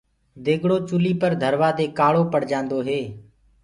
ديگڙو چُولي پر ڌروآ دي ڪآݪو پڙجآندو هي۔